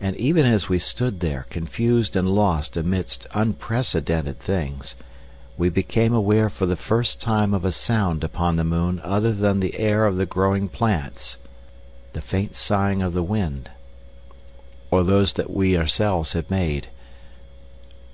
And even as we stood there, confused and lost amidst unprecedented things, we became aware for the first time of a sound upon the moon other than the air of the growing plants, the faint sighing of the wind, or those that we ourselves had made.